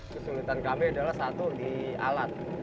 kesulitan kami adalah satu di alat